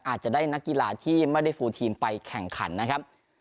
อาจจะได้นักกีฬาที่ไม่ได้ฟูลทีมไปแข่งขันนะครับ